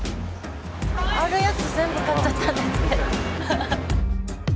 あるやつ全部買っちゃったんですけど。